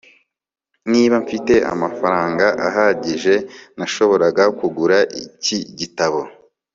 niba mfite amafaranga ahagije, nashoboraga kugura iki gitabo